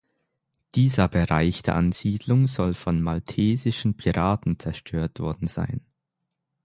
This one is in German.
Dieser Bereich der Ansiedlung soll von Maltesischen Piraten zerstört worden sein.